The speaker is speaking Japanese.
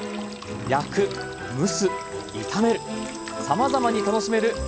焼く蒸す炒めるさまざまに楽しめる万能選手です。